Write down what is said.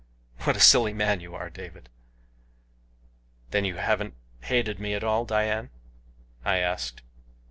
What a silly man you are, David." "Then you haven't hated me at all, Dian?" I asked.